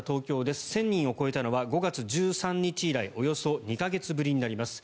１０００人を超えたのは５月１３日以来およそ２か月ぶりになります。